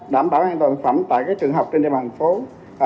đảm bảo an toàn thực phẩm tại trường học trên địa bàn tp hcm